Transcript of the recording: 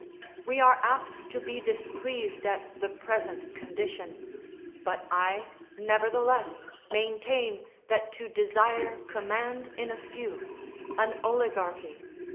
We are apt to be displeased at the present condition; but I, nevertheless, maintain that to desire command in a few [an oligarchy.